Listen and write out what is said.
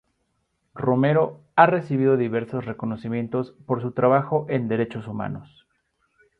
Romero ha recibido diversos reconocimientos por su trabajo en derechos humanos.